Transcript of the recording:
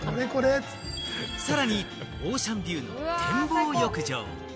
さらにオーシャンビューの展望浴場。